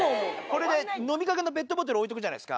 これで飲みかけのペットボトル置いとくじゃないですか。